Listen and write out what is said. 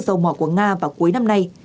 các dầu mỏ của nga vào cuối năm nay